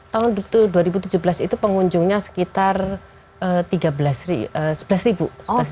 tahun dua ribu tujuh belas itu pengunjungnya sekitar sebelas ribu